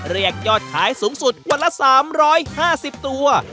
เรียกยอดขายสูงสุดวันละ๓๕๐ตัว